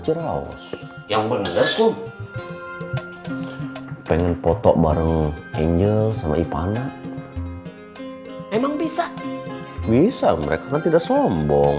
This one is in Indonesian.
ciraos yang bener pengen foto bareng angel sama ipana memang bisa bisa mereka tidak sombong